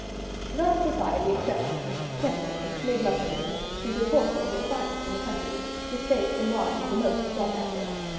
Thus society accepted him, petted him, made much of him, since his horses were the finest in the country, his fêtes and wines the most sought after.